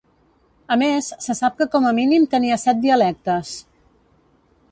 A més, se sap que com a mínim tenia set dialectes.